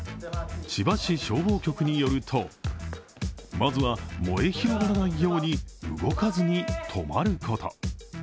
千葉市消防局によると、まずは、燃え広がらないように動かずに止まること。